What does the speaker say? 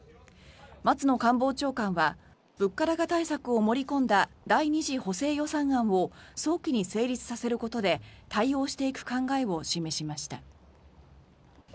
松野官房長官は物価高対策を盛り込んだ第２次補正予算案を早期に成立させることで対応していく考えを示しました。